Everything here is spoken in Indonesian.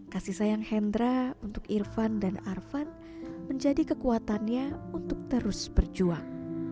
kasih sayang hendra untuk irfan dan arvan menjadi kekuatannya untuk terus berjuang